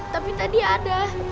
tapi tadi ada